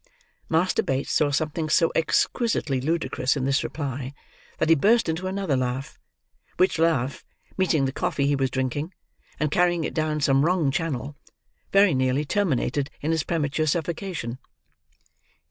Master Bates saw something so exquisitely ludicrous in this reply, that he burst into another laugh; which laugh, meeting the coffee he was drinking, and carrying it down some wrong channel, very nearly terminated in his premature suffocation.